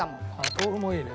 豆腐もいいね。